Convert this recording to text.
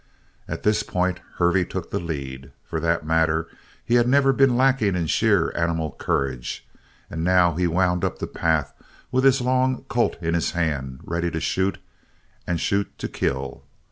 At this point Hervey took the lead. For that matter, he had never been lacking in sheer animal courage, and now he wound up the path with his long colt in his hand, ready to shoot, and shoot to kill.